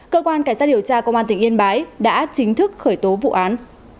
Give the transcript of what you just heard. cơ quan cảnh sát điều tra công an tỉnh yên bái đã chính thức khởi tố vụ án